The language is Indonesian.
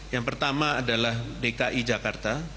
yang pertama adalah dki jakarta